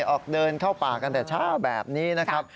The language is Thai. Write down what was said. ออกเดินเข้าป่ากันแต่เช้าแบบนี้นะครับ